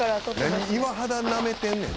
「何岩肌なめてんねん」